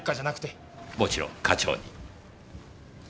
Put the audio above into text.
もちろん課長に。